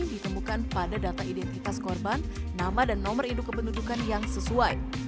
ditemukan pada data identitas korban nama dan nomor induk kependudukan yang sesuai